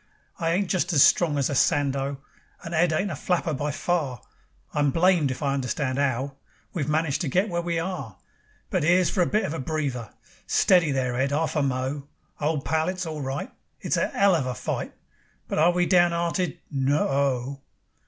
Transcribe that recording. I ain't just as strong as a Sandow, And Ed ain't a flapper by far; I'm blamed if I understand 'ow We've managed to get where we are. But 'ere's for a bit of a breather. "Steady there, Ed, 'arf a mo'. Old pal, it's all right; It's a 'ell of a fight, But are we down 'earted? No o o."